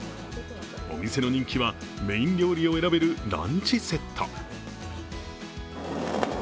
お店の人気はメイン料理を選べるランチセット。